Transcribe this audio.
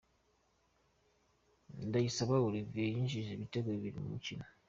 Ndayisaba Olivier yinjijwe ibitego bibiri mu mukino.